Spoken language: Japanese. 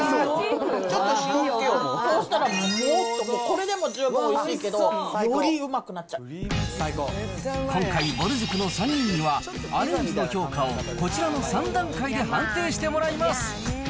そうしたらもっと、これでも十分おいしいけどよりうまくなっ今回、ぼる塾の３人には、アレンジの評価をこちらの３段階で判定してもらいます。